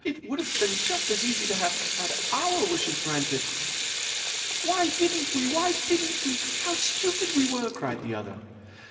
"It would have been just as easy to have had our wishes granted!" "Why didn't we! Why didn't we! How stupid we were!" cried the other.